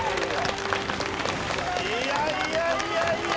いやいやいやいや。